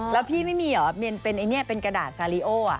แล้วพี่ไม่มีเหรอเป็นกระดาษสาริโอ